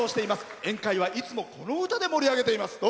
宴会は、いつもこの歌で盛り上げます。